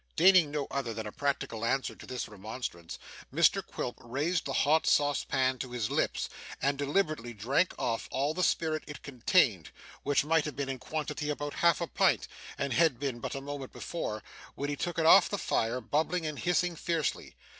Deigning no other than a practical answer to this remonstrance, Mr Quilp raised the hot saucepan to his lips, and deliberately drank off all the spirit it contained, which might have been in quantity about half a pint, and had been but a moment before, when he took it off the fire, bubbling and hissing fiercely.